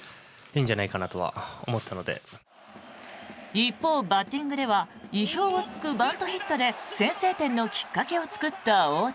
一方、バッティングでは意表を突くバントヒットで先制点のきっかけを作った大谷。